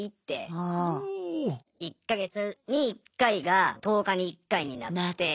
１か月に１回が１０日に１回になって。